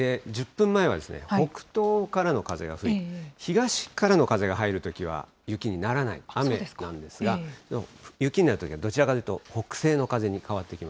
１０分前は北東からの風が吹いて、東からの風が入るときは雪にならない、雨なんですが、雪になるときは、どちらかというと北なるほど。